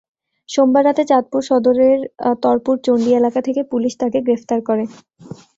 সোমবার রাতে চাঁদপুর সদরের তরপুর চণ্ডী এলাকা থেকে পুলিশ তাঁকে গ্রেপ্তার করে।